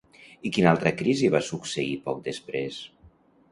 I quina altra crisi va succeir poc després?